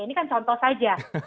ini kan contoh saja